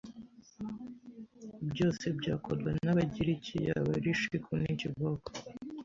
byose byakorwa n’Ababiligi yaba ari shiku n’ikiboko